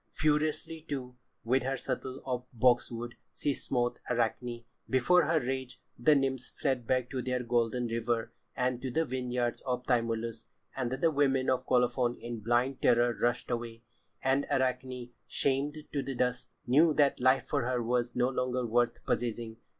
Furiously, too, with her shuttle of boxwood she smote Arachne. Before her rage, the nymphs fled back to their golden river and to the vineyards of Tymolus, and the women of Colophon in blind terror rushed away. And Arachne, shamed to the dust, knew that life for her was no longer worth possessing.